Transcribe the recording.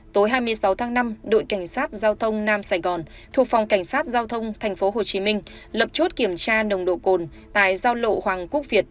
tối hai mươi sáu tháng năm đội cảnh sát giao thông nam sài gòn thuộc phòng cảnh sát giao thông tp hcm lập chốt kiểm tra nồng độ cồn tại giao lộ hoàng quốc việt